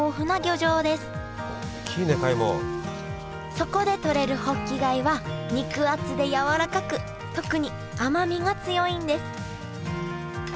そこでとれるホッキ貝は肉厚でやわらかく特に甘みが強いんです